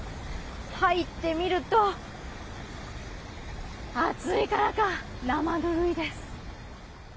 入ってみると暑いからか生ぬるいです。